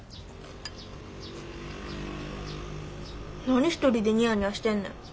何一人でニヤニヤしてんねん。